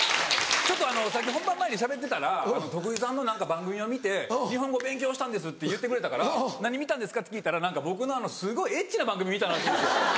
さっき本番前にしゃべってたら「徳井さんの番組を見て日本語勉強したんです」って言ってくれたから何見たんですか？って聞いたら僕のすごいエッチな番組見たらしいんです。